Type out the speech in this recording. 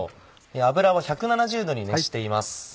油は１７０℃に熱しています。